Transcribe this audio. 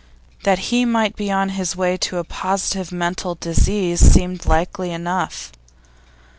That he might be on the way to positive mental disease seemed likely enough.